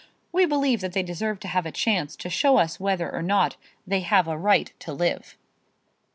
We believe that they deserve to have a chance to show us whether or not they have a right to live.